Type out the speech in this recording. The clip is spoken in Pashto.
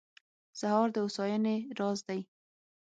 سهار د هوساینې راز دی.